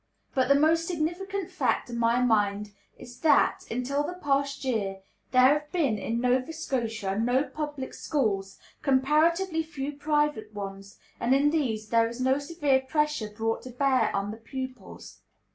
But the most significant fact to my mind is that, until the past year, there have been in Nova Scotia no public schools, comparatively few private ones; and in these there is no severe pressure brought to bear on the pupils.